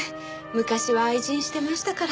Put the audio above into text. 昔は愛人してましたから。